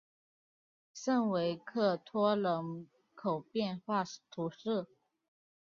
圣维克托人口变化图示